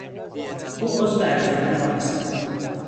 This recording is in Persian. او عضو انجمن ما است.